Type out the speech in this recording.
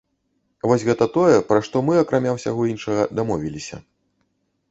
Вось гэта тое, пра што мы, акрамя ўсяго іншага, дамовіліся.